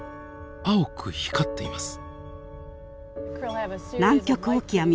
青く光っています。